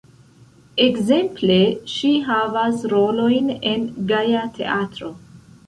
Ekzemple ŝi havas rolojn en Gaja Teatro.